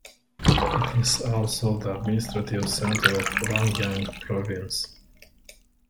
It is also the administrative centre of Ryanggang Province.